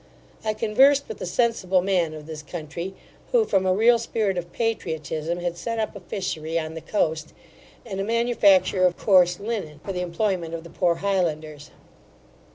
I conversed with a sensible man of this country, who, from a real spirit of patriotism had set up a fishery on the coast, and a manufacture of coarse linen, for the employment of the poor Highlanders.